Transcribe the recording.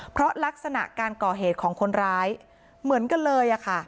เพราะลักษณะการก่อเหตุของคนร้ายเหมือนกันเลย